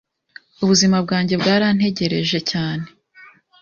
Ubuzima bwanjye bwarantegereje cyane